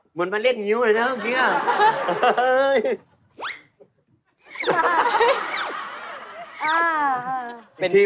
เหมือนมันเล่นหงิวเลยนะจริง